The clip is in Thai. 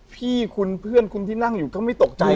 พี่คุณเพื่อนคุณที่นั่งอยู่ก็ไม่ตกใจ